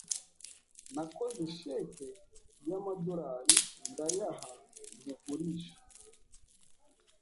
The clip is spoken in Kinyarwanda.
Nakoze cheque y'amadorari ndayaha umugurisha.